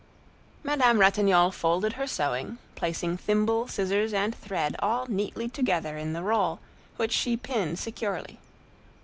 Madame Ratignolle folded her sewing, placing thimble, scissors, and thread all neatly together in the roll, which she pinned securely.